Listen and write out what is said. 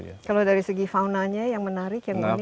kalau dari segi faunanya yang menarik yang ada di sini